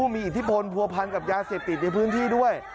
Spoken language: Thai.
มีอิทธิพลผัวพันกับยาเสพติดในพื้นที่ด้วย